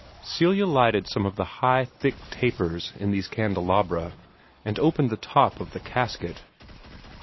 Celia lighted some of the high, thick tapers in these candelabra, and opened the top of the casket.